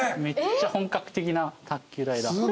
めっちゃ本格的な卓球台だ。